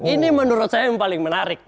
ini menurut saya yang paling menarik